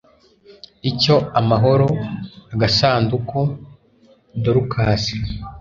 icy amahoro agasanduku dorukasi